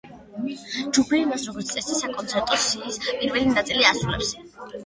ჯგუფი მას როგორც წესი, საკონცერტო სიის პირველ ნაწილში ასრულებს.